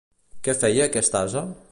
Què feia aquest ase?